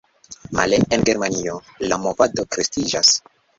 Male, en Germanio, la movado kreskiĝas.